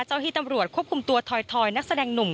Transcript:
ที่ตำรวจควบคุมตัวถอยนักแสดงหนุ่ม